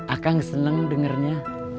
akang seneng dengernya